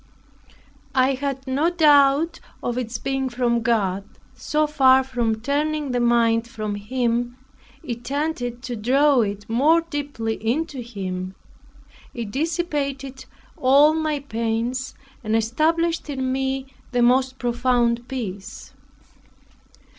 I had no doubt of its being from God; so far from turning the mind from Him, it tended to draw it more deeply into Him. It dissipated all my pains, and established me in the most profound peace.